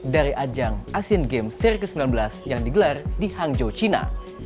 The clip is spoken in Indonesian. dari ajang asian games seri ke sembilan belas yang digelar di hangzhou cina